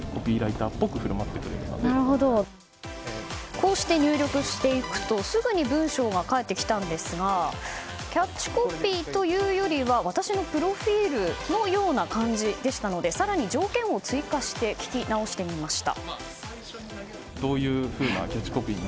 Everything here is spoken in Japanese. こうして入力していくとすぐに文章が返ってきたんですがキャッチコピーというよりは私のプロフィールのような感じでしたので更に条件を追加して聞き直してみました。